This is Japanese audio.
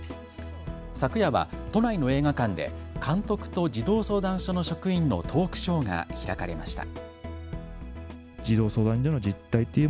昨夜は都内の映画館で監督と児童相談所の職員のトークショーが開かれました。